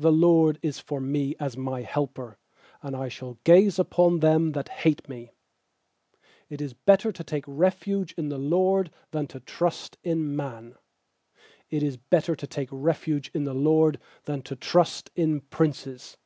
7The LORD is for me as my helper; And I shall gaze upon them that hate me. 8It is better to take refuge in the LORD Than to trust in man. 9It is better to take refuge in the LORD Than to trust in princes.